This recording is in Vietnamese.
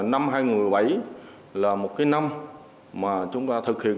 năm hai nghìn một mươi bảy là một cái năm mà chúng ta thực hiện